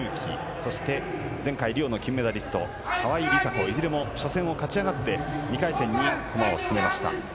そして前回リオの金メダリスト・川井梨紗子、いずれも初戦を勝ち上がって２回戦に駒を進めました。